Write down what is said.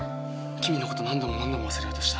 キミのこと何度も何度も忘れようとした。